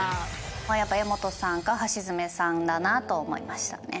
やっぱ柄本さんか橋爪さんだなと思いましたね。